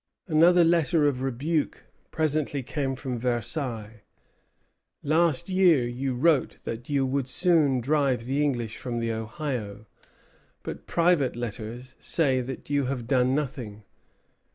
Another letter of rebuke presently came from Versailles. "Last year you wrote that you would soon drive the English from the Ohio; but private letters say that you have done nothing.